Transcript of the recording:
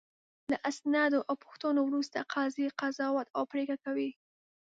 له اسنادو او پوښتنو وروسته قاضي قضاوت او پرېکړه کوي.